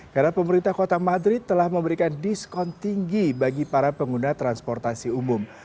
karena pemerintah kota madrid telah memberikan diskon tinggi bagi para pengguna transportasi umum